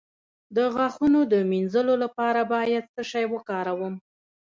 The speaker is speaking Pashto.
د غاښونو د مینځلو لپاره باید څه شی وکاروم؟